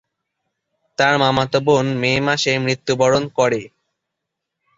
তার মামাতো বোন মে মাসে মৃত্যুবরণ করে।